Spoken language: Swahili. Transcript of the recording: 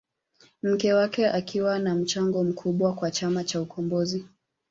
Mke wake akiwa na mchango mkubwa kwa chama cha ukombozi